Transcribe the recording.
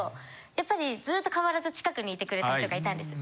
やっぱりずっと変わらず近くにいてくれた人がいたんです。